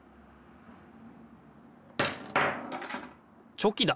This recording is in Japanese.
チョキだ。